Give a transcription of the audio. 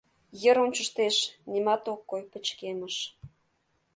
Йыр ончыштеш! — нимат ок кой, пычкемыш.